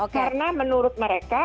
karena menurut mereka